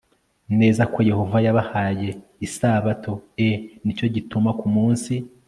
neza ko Yehova yabahaye isabato e Ni cyo gituma ku munsi